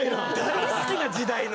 大好きな時代の。